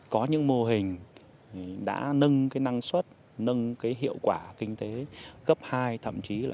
có những mô hình đã nâng cái năng suất nâng cái hiệu quả kinh tế gấp hai thậm chí là gấp ba lần cái việc là cái lúa